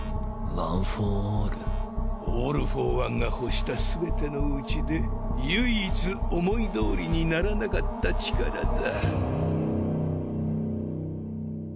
オール・フォー・ワンが欲した全てのうちで唯一思い通りにならなかった力だ。